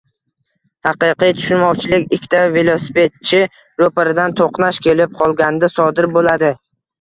Haqiqiy tushunmovchilik - ikkita velosipedchi ro'paradan to'qnash kelib qolganda sodir bo'ladi...